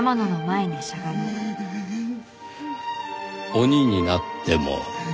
「鬼になっても」。